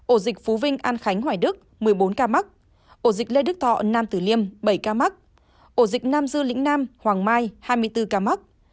ổ dịch phú vinh an khánh hoài đức một mươi bốn ca mắc ổ dịch lê đức thọ nam tử liêm bảy ca mắc ổ dịch nam dư lĩnh nam hoàng mai hai mươi bốn ca mắc